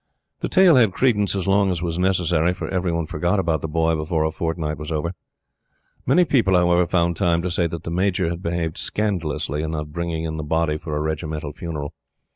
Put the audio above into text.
The tale had credence as long as was necessary, for every one forgot about The Boy before a fortnight was over. Many people, however, found time to say that the Major had behaved scandalously in not bringing in the body for a regimental funeral.